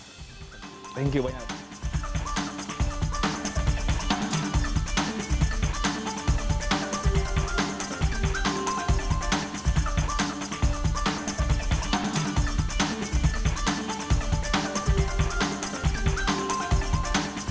thank you banyak